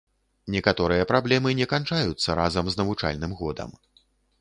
Некаторыя праблемы не канчаюцца разам з навучальным годам.